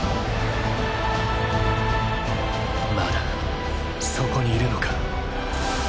まだそこにいるのか？